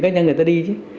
các nhà người ta đi chứ